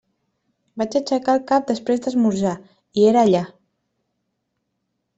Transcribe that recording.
Vaig aixecar el cap després d'esmorzar, i era allà.